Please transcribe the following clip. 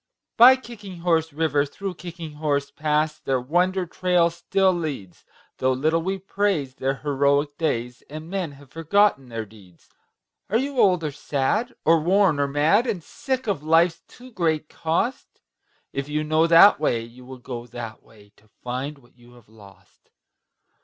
By Kicking Horse River, through Kicking Horse Pass, Their wonder trail still leads, Though little we praise their heroic days And men have forgotten their deeds. Are you old or sad or worn or mad, And sick of life's too great cost? If you know that way, you will go that way, To find what you have lost.